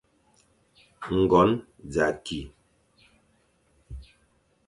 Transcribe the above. Ngon za ki,